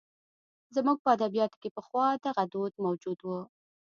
زموږ په ادبیاتو کې پخوا دغه دود موجود و.